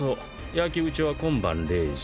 焼き打ちは今晩０時。